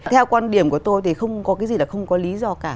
theo quan điểm của tôi thì không có cái gì là không có lý do cả